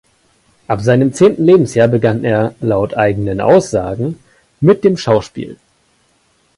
Ab seinem zehnten Lebensjahr begann er laut eigenen Aussagen mit dem Schauspiel.